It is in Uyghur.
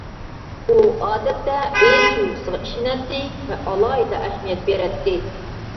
ئۇ ئادەتتە ئۆز تۇيغۇسىغا ئىشىنەتتى ۋە ئالاھىدە ئەھمىيەت بېرەتتى.